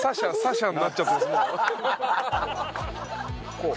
こう。